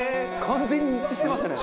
完全に一致してますね。